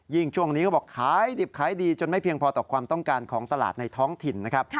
ช่วงนี้เขาบอกขายดิบขายดีจนไม่เพียงพอต่อความต้องการของตลาดในท้องถิ่นนะครับ